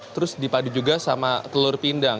terus dipadu juga sama telur pindang